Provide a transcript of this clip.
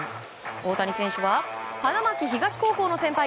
大谷選手は花巻東高校の先輩